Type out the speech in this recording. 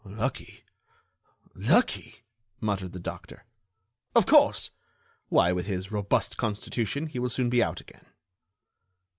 "Lucky ... lucky...." muttered the doctor. "Of course! Why, with his robust constitution he will soon be out again."